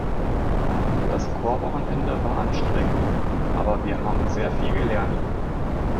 Das Chorwochenende war anstrengend, aber wir haben sehr viel gelernt.